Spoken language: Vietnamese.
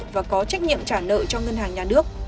và có trách nhiệm trả nợ cho ngân hàng nhà nước